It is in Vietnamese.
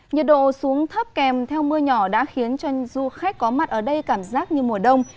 nhiệt độ xuống thấp kèm theo mưa nhỏ đã khiến cho du khách có mặt ở đây cảm giác như mùa đông